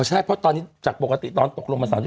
ใช่เพราะตอนนี้จากปกติตอนตกลงมา๓๐